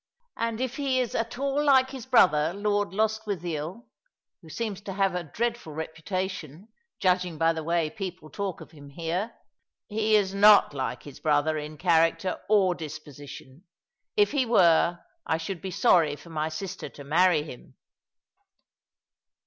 And if he is at all like his brother, Lord Lostwithiel, who seems to have a dreadful reputation, judging by the way people talk of him here " "He is not like his brother in character or disposition. If he were, I should be sorry for my sister to marry him."